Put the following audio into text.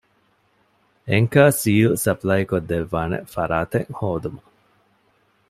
އެންކަރ ސީލް ސަޕްލައިކޮށްދެއްވާނެ ފަރާތެެއް ހޯދުމަށް